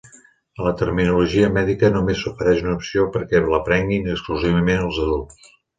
A la terminologia mèdica només s'ofereix una opció perquè la prenguin exclusivament els adults.